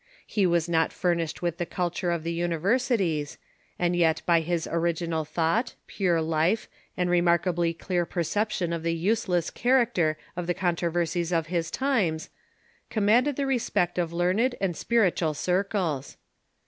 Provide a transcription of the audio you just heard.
He was not furnished with the culture of the uni Boehme and versities, and yet by his original thought, pure life, the other and remarkably clear perception of the useless char Mystics acter of the controversies of his times, commanded MYSTICISM IN GERMANY 313 the respect of learned and spiritual circles.